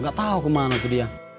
gak tau kemana tuh dia